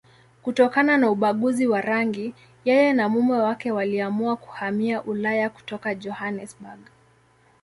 Kutokana na ubaguzi wa rangi, yeye na mume wake waliamua kuhamia Ulaya kutoka Johannesburg.